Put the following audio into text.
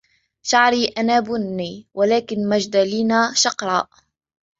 شعر أنّا بُني, ولكن ماجدالينا شَقراء.